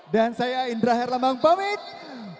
dan saya indra herlambang pemilu